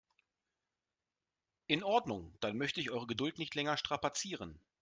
In Ordnung, dann möchte ich eure Geduld nicht länger strapazieren.